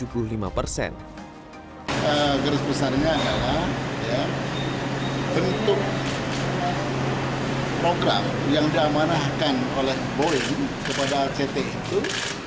geris besarnya adalah bentuk program yang diamanahkan oleh boeing kepada act itu